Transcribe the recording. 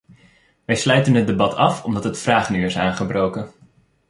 Wij sluiten het debat af omdat het vragenuur is aangebroken.